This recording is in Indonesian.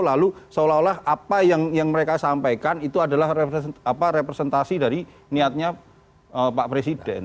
lalu seolah olah apa yang mereka sampaikan itu adalah representasi dari niatnya pak presiden